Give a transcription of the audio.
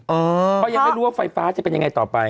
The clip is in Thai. เพราะยังไม่รู้ว่าไฟฟ้าจะเป็นยังไงต่อไป